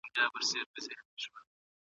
چې دسلطنت بنا به په انسانيت وي ،